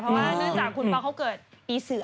เพราะว่าเนื่องจากคุณป๊อกเขาเกิดปีเสือ